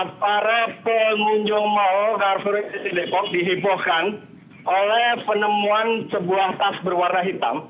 sepuluh lima belas itu para penunjung mall carrefour s i depok dihiburkan oleh penemuan sebuah tas berwarna hitam